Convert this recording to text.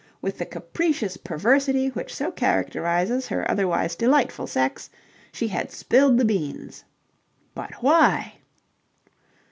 With the capricious perversity which so characterizes her otherwise delightful sex, she had spilled the beans. "But why?"